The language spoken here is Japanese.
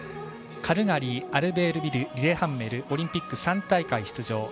カルガリー、アルベールベルリレハンメルオリンピック３大会出場。